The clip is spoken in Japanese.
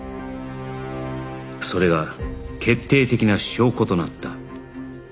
それが決定的な証拠となった